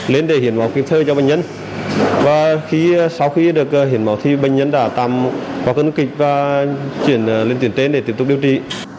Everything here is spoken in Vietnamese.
lên để hiển máu kịp thời cho bệnh nhân và sau khi được hiển máu thì bệnh nhân đã tạm vào cơn kịch và chuyển lên tuyển tên để tiếp tục điều trị